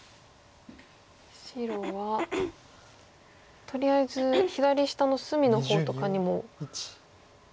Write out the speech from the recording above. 白はとりあえず左下の隅の方とかにも。